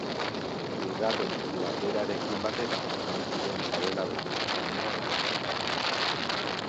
Bigarren platerarekin batera, mahaikideen sabela betetzeko unea etortzen da.